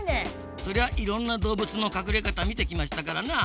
そりゃいろんなどうぶつのかくれ方見てきましたからなぁ。